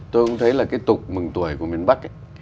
tôi cũng thấy là cái tục mừng tuổi của miền bắc ấy